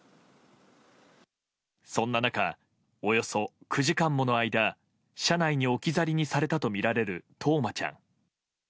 そんな中、およそ９時間もの間車内に置き去りにされたとみられる冬生ちゃん。